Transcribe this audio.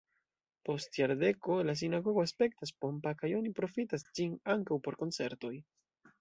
Post jardeko la sinagogo aspektas pompa kaj oni profitas ĝin ankaŭ por koncertoj.